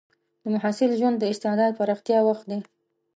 د محصل ژوند د استعداد پراختیا وخت دی.